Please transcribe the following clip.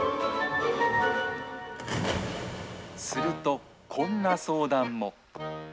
すると、こんな相談も。